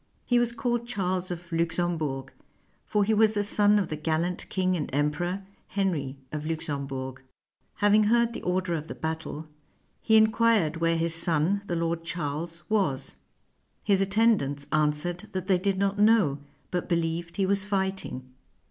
He was called Charles of Luxembourg; for he was the son of the gallant king and Emperor, Henry of Luxembourg : hav ing heard the order of the battle, he inquired where his son, the Lord Charles, was: his attendants answered that they did not know, but believed he was fighting.